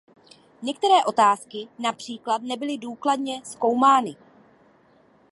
Některé otázky, například, nebyly důkladně zkoumány.